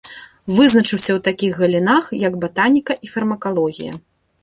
Вызначыўся ў такіх галінах, як батаніка і фармакалогія.